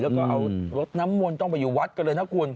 แล้วก็เอารถน้ำมนต์ต้องไปอยู่วัดกันเลยนะคุณ